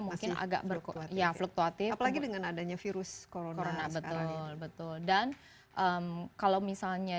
mungkin agak berkutu ya fluktuatif lagi dengan adanya virus korona betul betul dan kalau misalnya